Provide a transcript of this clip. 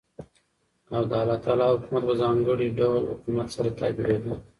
او دالله تعالى حكومت په ځانګړي ډول حكومت سره تعبيروي .